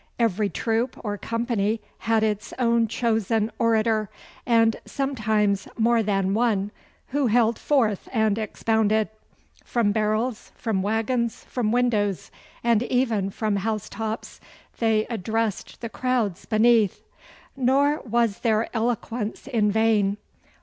Every troop or company had its own chosen orator, and sometimes more than one, who held forth and expounded. From barrels, from waggons, from windows, and even from housetops, they addressed the crowds beneath; nor was their eloquence in vain.